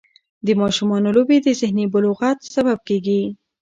د ماشومانو لوبې د ذهني بلوغت سبب کېږي.